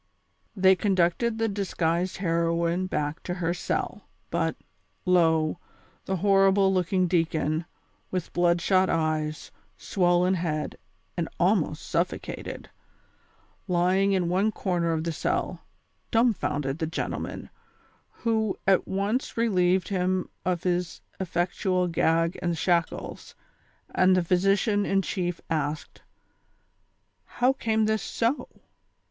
They conducted the disguised heroine back to her cell, but, lo, the horrible looking deacon, with blood shot eyes, swollen head and almost suffocated, lying in one corner of the cell, dumbfounded the gentlemen, who at once relieved him of his effectual gag and shackles, and the physician in chief asked :" How came this so